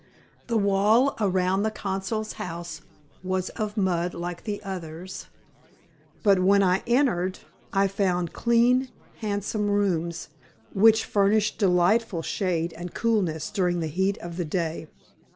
The wall around the consul's house was of mud like the others; but when I entered I found clean, handsome rooms, which furnished delightful shade and coolness during the heat of the day.